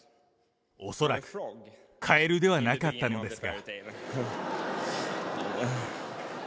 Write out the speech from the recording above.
恐らくカエルではなかったのですが。